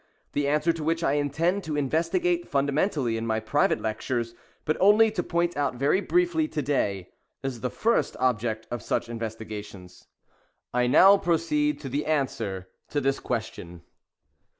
— the answer to which I intend to investigate fundamentally in my private lectures, but only to point out very briefly to day, — is the object of such investigations. I now proceed to the to this question.